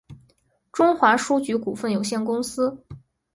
东华书局股份有限公司